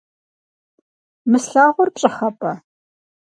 Мы слъагъур пщӏыхьэпӏэ?